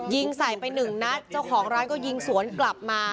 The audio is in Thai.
ยิงใส่ไปหนึ่งนัดเจ้าของร้านก็ยิงสวนกลับมา